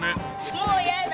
もうやだ！